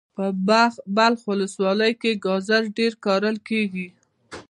په بلخ ولسوالی کی ګازر ډیر کرل کیږي.